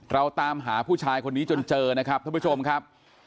เราตามหาผู้ชายคนนี้จนเจอนะครับท่านผู้ชมครับ